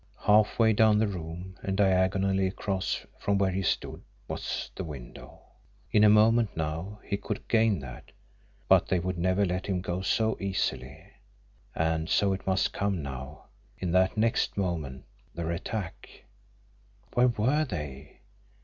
Halfway down the room and diagonally across from where he stood was the window. In a moment now he could gain that, but they would never let him go so easily and so it must come now, in that next moment, their attack! Where were they?